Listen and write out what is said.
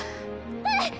うん！